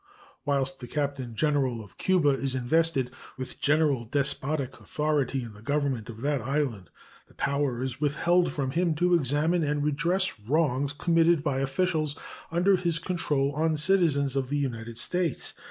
Whilst the Captain General of Cuba is invested with general despotic authority in the government of that island, the power is withheld from him to examine and redress wrongs committed by officials under his control on citizens of the United States.